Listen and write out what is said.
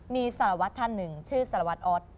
มีสารวัตรท่านหนึ่งชื่อสารวัตรออส